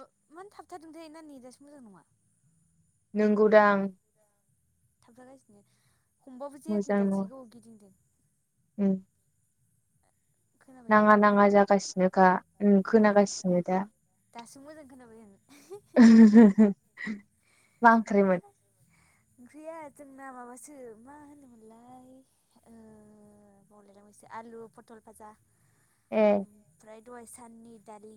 ओ मान थाबथादोंथाय नानि ना नेटआसो मोजां नङा। नंगौदां थाबथागासिनो हमबाबो मोजां जायाखैब्रा नङा जि गोबाव गिदिंदों उम खोनाबाय दा नाङा नाङा जागासिनोखा उम ओं खोनागासिनो दा [inaudible] दासो मोजां खोनाबाय आं ओंख्रिमोन गैया जों ना माबासो मा होनोमोनलाय ओ बावलायलांबायसो आलु फटल फा जा [inaudible] दहाय साननि दालि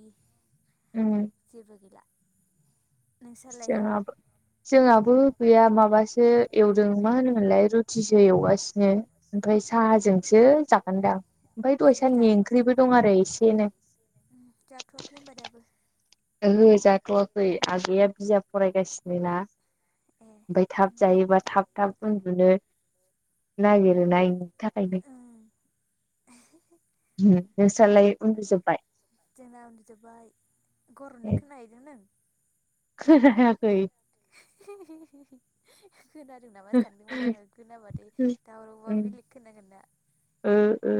उम जेबो गैला नोंस्रालाय जोंहाबो जोंहाबो गैया माबासो एवदों मा होनोमोनलाय रुटिसो एवगासि सिनो ओमफ्राय ए साहाजोंसो जागोनदां ओमफ्राय ए दहाय साननि ओंख्रिबो दं आरो एसेनो। जाथ'आखै होमबा दाबो ओहो जाथ'वाखै आगैया बिजाब फरायगासिनो ना ए ओमफ्राय थाब ओं ओं जायोबा थाब थाब उन्दुनो नागिरो नायनो थाखायनो ओं नोंस्रालाय उन्दुजोबबाय। जोंना उन्दुजोबबाय गरदनाय ए खोनाहैदों नों [inaudible] [inaudible] खोनादों नामा सानदोंमोन आङो खोनाबाथाय दावरावबा बेलेग खोनांगोन ना ओ ओ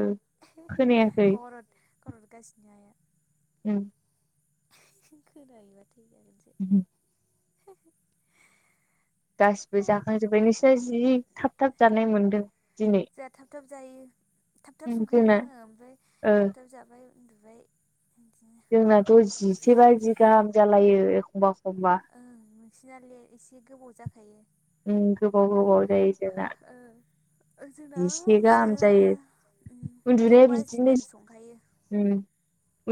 खोनायाखै। गरद गरदगासिनो आइआ। उम। खोनायोबा थै ज [inaudible] [inaudible] [inaudible] गासिबो जोंहा जाखांजोब्बाय नोंसिना जि थाब थाब जानाय मोनदों। दिनै जोंहा थाब थाब जायो थाब थाब जोंना संखायो आङो ओमफ्राय ओ थाब थाब जाबाय उन्दुबाय। जोंनाथ' जिसे बाजि गाहाम जालायो एखमबा एखमबा ओं नोंसिनाले एसे गोबाव जाखायो। उम गोबाव गोबाव जायो जोंना। ओ जोंना जिसे ओ गाहाम जायो [inaudible] द' उन्दुनाया बाजिबानो संखायो बिदिनोसै उम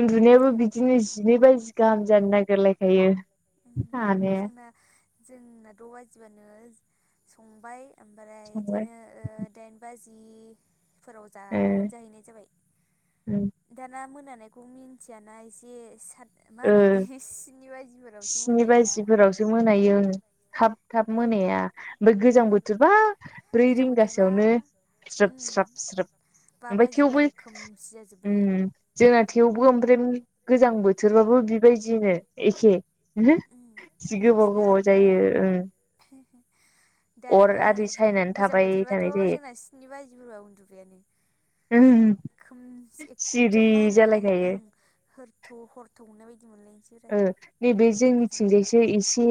उन्दुनायाबो बिदिनो जिनै बाजि गाहाम जानो नागिरलायखायो आ उम, दे [inaudible] जोंना जोंना द' बाजिबानो संबाय ओमफ्राय संबाय बिदिनो ओ दाइन बाजि। फोराव जा मोनजाहैनाय जाबाय। ओ दाना मोनानायखौ मिन्थियाना एसे साथ मा ओ होनोमोनलाय सिनि बाजिफोरावसो स्नि मोनायोना बाजिफोरावसो मोनायो ओं थाब थाब मोनाया ओमफ्राय ओं गोजां बोथोरबा ब्रै गोजां बोथोरबा रिंगासोयावनो उम स्रोप स्रोप स्रोप बा बाजिबानो खोमसि जाजोब ओम जोंना थेवबो ओमफ्राय गोजां बोथोरबाबो बिबायदिनो एखे उम जि गोबाव नोंसिना गोबाव आंथ' जायो आरो ओं [unintelligible] दा अर मा आरि होनो जों सायनानै गोजां थाबाय बोथोरबाथ' थानाय जोंना स्नि बाजिफोरबा उन्दुबायानो जायो खोमसि एखदम सिरि मा होनोमोनलाय जालायखायो ओं हरथौ हर ओ नै बे गोजां बोथोराव जोंनिथिंजायसो एसे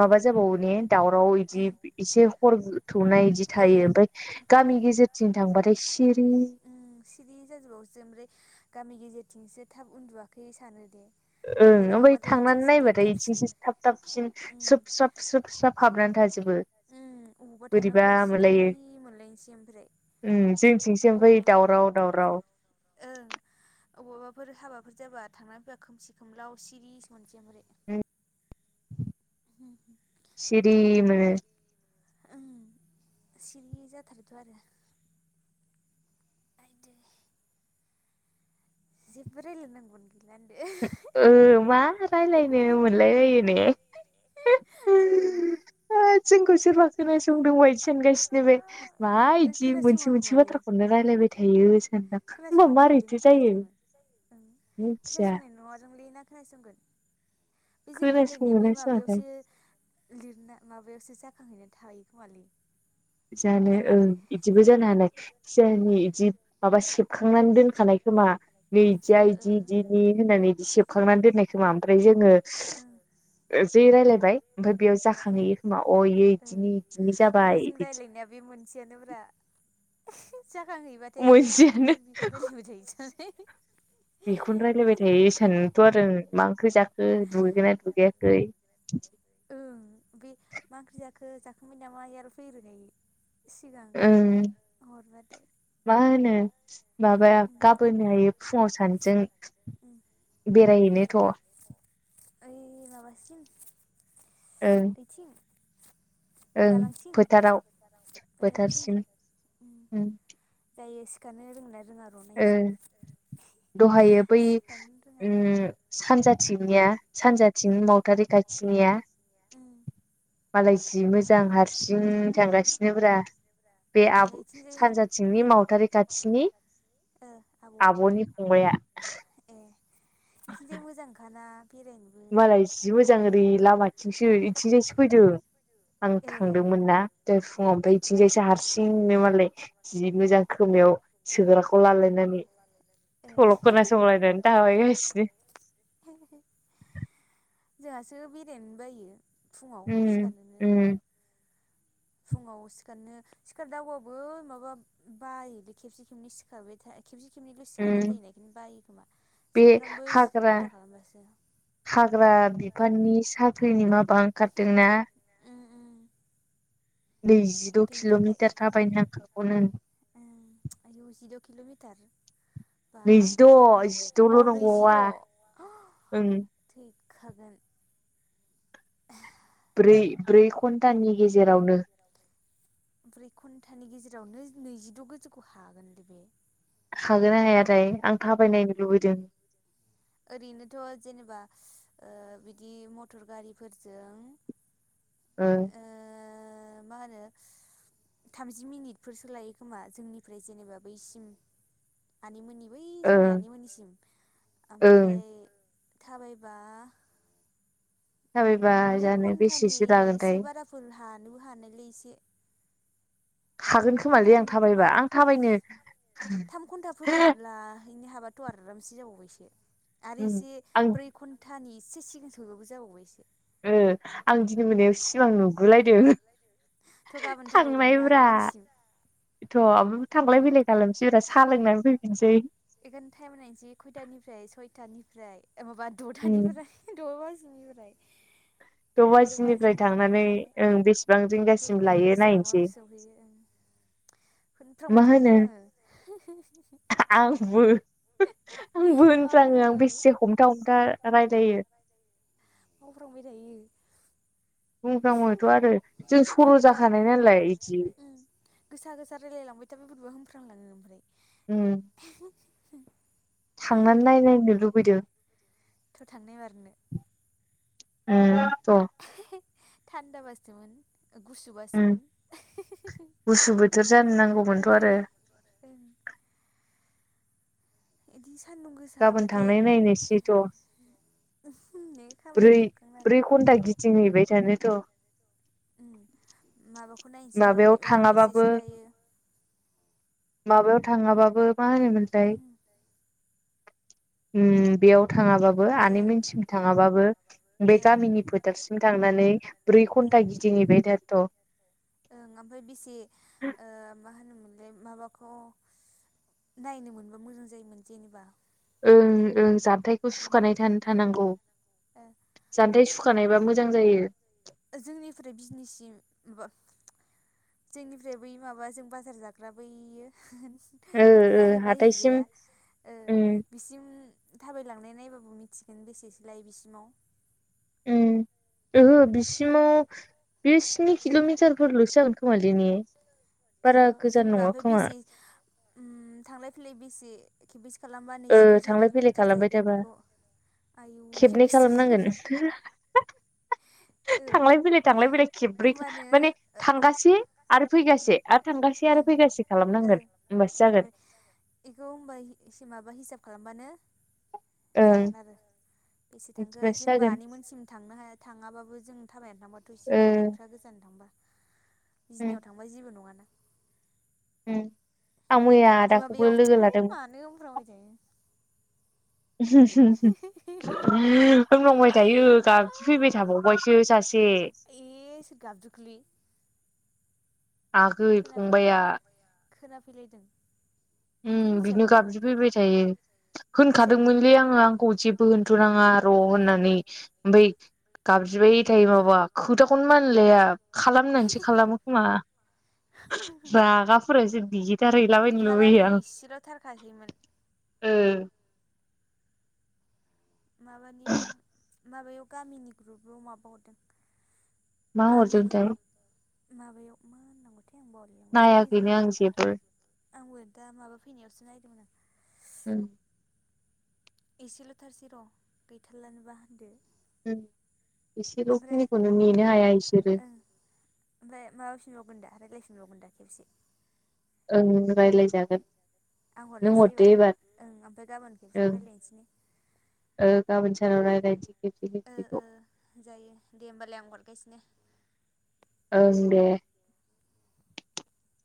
माबा जाबावो ने दावराव बिदि ओं एसे हर थौनाय बिदि ओ थायो ओमफ्राय ओं गामि गेजेरथिं थांबाथाय सिरि सिरि जाजोबावोसो ओमफ्राय गामि गेजेरथिंसो थाब उन्दुवाखै सानो दे ओं ओमफ्राय थांबाथाय थांनानै इथिंसो नाय थाब बाथाय थाबसिन जि थाब थाबसिन उम सोब स्राब सोब स्राब हाबनानै थाजोबो ओम बबावबा थांना बोरैबा फैबा सिरि मोनलायनोसै ओमफ्राय ओम जोंथिंसो ओमफ्राय अबावबा दावराव दावराव ओं अबावबाफोर हाबाफोर जाबा थांनानै फैबा खोमसि खोमलाव सिरिसो मोनसै ओमफ्राय सिरि मोनो ओम सिरि जाथारोथ' आरो आयदै जिबो रायलाय नांगौआनो गै ओ मा रायलायनो मोनलायलायो ने औ जोंखौ सोरबा खोनासंदोंबा इदि सानगासिनो बे मा आ बिदि खोनासङा मोनसे मोनसे खोमालै बाथ्राखौ खौनो रायलायबाय थायो सानोदां होमबा खोनासङा खोमालै ना मारैथो जायो खोनासङो ओं मिथिया खोनासंनाय नंङादांलै ना खोनासंगोन बे जोंनि रायलायनाया बै खोनासङोना सोरबाथाय माबायावसो लिरना माबायावसो जि थांहैना थाहैयो खोमालै जानो ना ओं मालै बिदिबो जानो हानाय सिगांनि बिदि माबा सेबखांनानै दोनखानाय खोमा नै इदिया ओ ओं इदि इदिनि होननानै इदि सेबखांनानै दोननाय खो खोमा ओमफ्राय जोङो ओं जि रायलायबाय ओमफ्राय बेयाव ओं जाखाङोहैयोखोमा अ बेयो इदिनि इदिनि जाबाय बिदि बिनिया बे मोनसेयानो ब्रा जाखां हैबाथाय आइया माथो मोनसेयानो बिसोर बिखौनो रायलायबाय थायो जाला बेखौनो रायलायबाय थायो सानोथ' आरो मा ओंख्रि जाखो दुगैखो ना दुगैयाखै [inaudible] ओं बे मा ओंख्रि जाखो जाखांबाय नामाया फैग्रोखायो सिगां ओं हरबाथाय मा होनो मा बा उम गाबोनो हायो फुङाव सानजों उम बेरायहैनो थ' ओइ माबासिम ओं ओइथिं ओं दालांसिम फोथाराव फोथारथिं फोथारसिम उम ओम जायो सिखारनो रोंना रोंङा ओ दहायो बै सिखारनो रोङा उम सानजाथ थिंनिया उम सानजाथिं मावथारि खाथिनिया मालाय जि मोजां हारसिं थांगासिनो ब्रा बे उम आब' ए इथिंजाय सानजाथिंनि मावथारि खाथिनि ओ आब'आ आब'नि फंबाया ए बिथिंजाय मोजांखाना बेरायनोबो मालाय जि मोजां ओरै लामाथिंसो इथिंजायसो फैदों आं ए थांदोंमोन ना दहाय फुङाव ओमफ्राय इथिंजायसो हारसिंनो मालाय जि मोजां खोमायाव ओ सोग्राखौ लालायनानै ए सल' खोनासंलायनानै थाबायगासिनो। जोंहासो बेरायनो बायो फुङाव उम सिखारनोनो उम फुङाव सिखारनो सिखार दावबाबो माबा बायोलै खेबसे खेबनै सिखारबाय था खेबसे खेबनैल' सिखारानाय उम जायोना इखायनो बायो खोमा बे सानफ्रामबो हाग्रा हुदा खालामबासो। हाग्रा बिफाननि साख्रिनि माबा ओंखारदोंना? उम उम नैजिद' बेनि थाखाय किल'मिटार दे थाबायनां खागौनो। दा? नैजिद' जिद'ल' नंबावा नैजिद' ओं खागोन। ब्रै ब्रै घन्टानि गेजेरावनो। ब्रै घन्टानि गेजेरावनो नैजिद' गोजौखौ हागोनलै बे हागोना हायाथाय आं थाबायनायनो लुबैदों। ओरैनोथ' जेनेबा ओ बिदि मथर गारिफोरजों [inaudible] ओ ओ मा होनो थामजि मिनिटफोरसो लायो खोमा जोंनिफ्राय जेनेबा बैसिम आनै मोननि बै जोंनि ओं आनैमोननिसिम ओं ओमफ्राय थाबायबा थाबायबा नै जानो बेसेसो लागोनथाय? नोबो हानायलै एसे हागोन नै खोमालै आं घन्टानिथ' थाबायबा बारा आं थाबायनो थाम घन्टाफोरब्ला बेनि हाबा त आरामसे जाबावबायसो आरो एसे आं ब्रै घन्तानि एसे सिगां सहैबाबो जाबावबाय सो। आं दिनै मोनायाव सिमां नुगोलायदों। थ' गाबोन थाबायलांनो आनैमोननिसिम। थ' थांलाय फुं फैलाय खालामसै ब्रा साह लोंनानै फैफिनसै बेखोनो टाइम नायनोसै खयथानिफ्राय सयथानि ओमफ्राय माबा दथानिफ्राय द बाजिनिफ्राय द' बाजिनिफ्राय थांनानै बाजिनिफ्राय ओं बेसेबां रिंगासिम लायो बेसेबांआव नायनोसै सौहैगोन। मा होनफ्रांबाय थोयोलै होनो आङो। आंबो आंबो होनफ्लाङो मावफ्राङो आं बेसे हमथा हमथा रायलायो। मावफ्रांबाय थायो। बुंफ्लांगोथ' आरो जों सर' बोरैबा जाखानाय नालाय इदि। उम गोसा गोसा रायलायलांबाय थाबा बोरैबा होनफ्रांलाङो ओमफ्राय थांनानै नायनायनो लुबैदों। थ' थांनो मारनो उम थान्दा बासोमोन। ओम गुसु बोथोर जानो नांगौमोनथ' आरो बोथोरा ओं इदि गाबोन थांनाय नायनोसै थ'। फुंनो खामानि ब्रै जोबखांनानै ब्रै घन्टा गिदिंहैबाय थानो थ'। माबाखौ नायनोसै माबायाव थाङाबाबो बेसेसो लायो। माबायाव थाङाबाबो मा होनोमोनथाय उम ओम बेयाव थाङाबाबो ओ आनैमोनिसिम थाङाबाबो ओ बे गामिनि फोथारसिम थांनानै ब्रै ओ घन्ता गिदिंहैबाय थानो थ'। ओं ओमफ्राय बेसे ओ मा होनोमोनलाय? माबाखौ नायनो मोनबा मोजां जायोमोन जेनेबा। ओं ओं जथायखौ सुखानायानो थानांगौ ओ जान्थाइ सुखानायबा मोजां जायो जोंनिफ्राय बिजनिसिम माबा जोंनिफ्राय बै माबा जों बाजार जाग्रा बैयो ओ ओ दखनारि हाथायसिम बायहैग्राया ओ उम बिसिम थाबायलांनाय नायबाबो मिथिगोन बेसेसो लायै बिसिमाव उम ओहो बिसिमाव बे स्नि किल'मिटारफोरलसो जागोन खोमलै ने ओ बारा गोजान जेनेबा नंङा ओमफ्राय खोमा बेसे थांलाय फैलाय बेसे खेबस खालामबा ओ नैजिद'सो थांलाय फैलाय किल'मिटार खालामबाय जाहैगोन थाबा बेखौ आयु खेबनै खेबबेसे खालामनांगोन थांलाय फैलाय थांलाय फैलाय थांलायबाय ओ खेब्रैखा होमबानो माने थांगासिनो आरो फैगा थांगासे ओ आरो फैगासे ओ खालामनांगोन होमबासो जागोन खेबब्रै मा हिसाब खालामबानो ओं जागोन आरो बेसे थांखो बिदिबासो जेनेबा जागोन आनै मोनसिम थांनो हाया थांङाबाबो जों थाबायानो थांबाथ इसे ओ बोरैबा एफ्रा गोजान थांबा उम बिजनियाव थांबा जेबो नंङाना उम आं मैया आरो आदाखौबो माबायाव लोगो है लादोंमोन मानो होनफ्रांबाय थायो [unintelligible] बुंलांबाय थायो गाब फैबाय थाबावबायसो सासे गाब दुखलि आगै फंबाया खोनाफैलायदों नोंखौ उम बिनो मिथियाखै नामा गाबज्रि फैबाय थायो मिथियाखै होनखादोंमोनलै आंङो आंखौ जेबो होनथ नाङा र होननानै ओमफ्राय गाबज्रिबाय थायो माबा खोथाखौनो मानलाया खालामनानैसो खालामो खोमा रागाफोरासो बि देथार हैलाबायायनो गैखाला नै लुबैयो आं इसेल'थारखासैमोन आं माबानि माबायाव गामिनि ग्रुपाव माबाहरदों मा‌ हरदोंथाय माबायाव मा होननांगौ थाय नायाखैनो आं जेबो आंबो दा माबा फैनायावसो नायदोंमोन आं उम एसेल थारसै र गैथारलानोबा होनदो ओमफ्राय एसेलखिनिखौनो नेनो हाया बिसोरो ओं ओमफ्राय माबाफिनबावगोन दा रायज्लायफनबावगोन दा खेबसे ओं रायज्लायजागोन आं नों हरनोसै हरदो एबार ओं ओमफ्राय गाबोन खेबसेखौ ओं रायजलायनोसै ओ [unintelligible] ओ खेबसेखौ ओ जायो दे होमबालाय आं हरगासिनो ओं दे [inaudible]